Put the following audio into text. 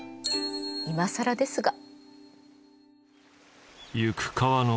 いまさらですが。